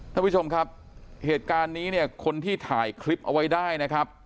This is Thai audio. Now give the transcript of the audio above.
ท่านผู้ชมครับเหตุการณ์นี้เนี่ยคนที่ถ่ายคลิปเอาไว้ได้นะครับ